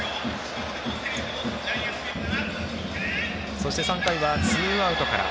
そして、３回はツーアウトから。